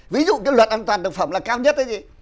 ví dụ cái luật an toàn thực phẩm là cao nhất hay gì